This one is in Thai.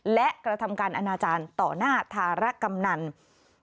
และกระทำการอนาจารย์ต่อหน้าธารกำนัน